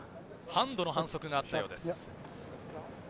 ハンドの反則があったようです。